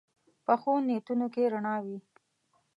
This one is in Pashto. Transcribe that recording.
پخو نیتونو کې رڼا وي